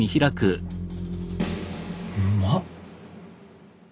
うまっ！